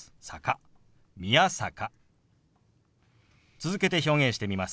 続けて表現してみます。